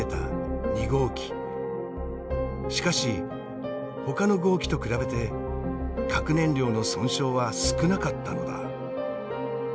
しかしほかの号機と比べて核燃料の損傷は少なかったのだ。